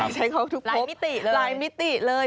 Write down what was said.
ใช้เข้าทุกพบหลายมิติเลย